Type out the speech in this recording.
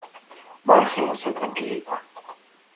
Marge se tranquiliza.